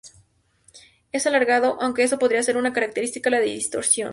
Es alargado, aunque eso podría ser una característica de la distorsión.